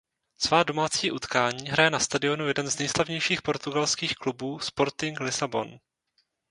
Svá domácí utkání hraje na stadionu jeden z nejslavnějších portugalských klubů Sporting Lisabon.